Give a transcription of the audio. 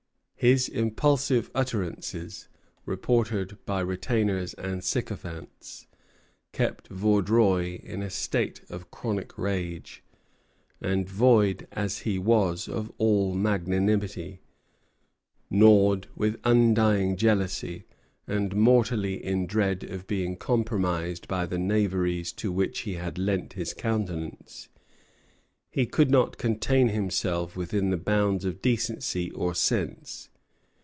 His impulsive utterances, reported by retainers and sycophants, kept Vaudreuil in a state of chronic rage; and, void as he was of all magnanimity, gnawed with undying jealousy, and mortally in dread of being compromised by the knaveries to which he had lent his countenance, he could not contain himself within the bounds of decency or sense.